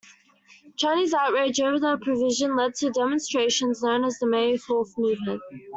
Chinese outrage over this provision led to demonstrations known as the May Fourth Movement.